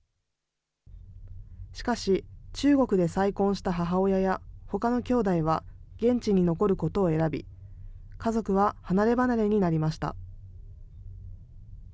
しかし、中国で再婚した母親や、ほかのきょうだいは現地に残ることを選び、家族は離れ離れになりました。